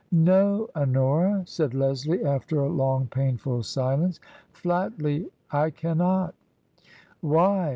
" No, Honora," said Leslie, after a long painful silence ;" flatly— I cannot." "Why?"